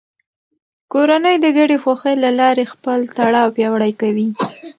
کورنۍ د ګډې خوښۍ له لارې خپل تړاو پیاوړی کوي